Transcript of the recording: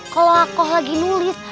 kalau aku lagi nulis